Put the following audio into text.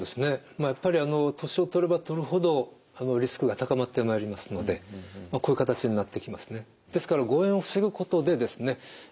まあやっぱり年をとればとるほどリスクが高まってまいりますのでこういう形になってきますね。